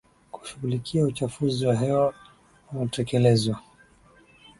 kushughulikia uchafuzi wa hewa unatekelezwa